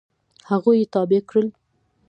هغوی یې تابع کړل.